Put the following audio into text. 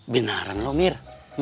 gimana sih mir